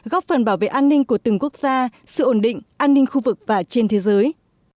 góp phần bảo vệ an ninh của từng quốc gia sự ổn định an ninh khu vực và trên thế giới